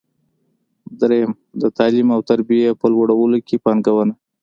درېیم: د تعلیم او تربیې په لوړولو کې پانګونه.